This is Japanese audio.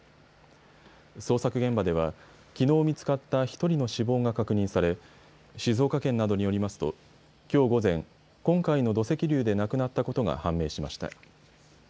捜索現場ではきのう見つかった１人の死亡が確認され静岡県などによりますときょう午前今回の土石流で亡くなったことが判明しました。